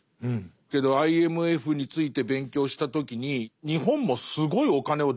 けどＩＭＦについて勉強した時に日本もすごいお金を出していると。